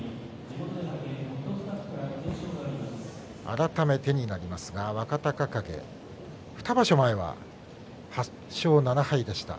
改めてになりますが、若隆景２場所前は８勝７敗でした。